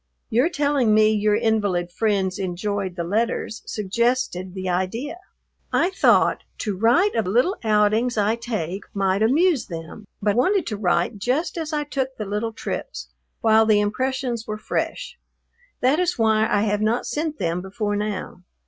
Your telling me your invalid friends enjoyed the letters suggested the idea. I thought to write of little outings I take might amuse them, but wanted to write just as I took the little trips, while the impressions were fresh; that is why I have not sent them before now.